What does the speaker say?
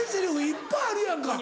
いっぱいあるやんか。